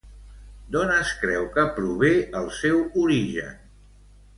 D'on es creu que prové el seu origen?